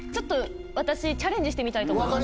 私チャレンジしてみたいと思います